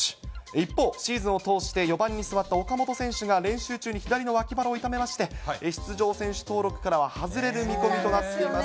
一方、シーズンを通して４番に座った岡本選手が練習中に左のわき腹を痛めまして、出場選手登録から外れる見込みとなっています。